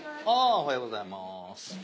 おはようございます。